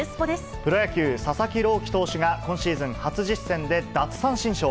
プロ野球、佐々木朗希投手が今シーズン初実戦で奪三振ショー。